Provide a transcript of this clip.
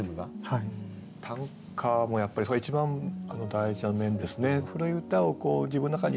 短歌もやっぱりそれ一番大事な面ですね。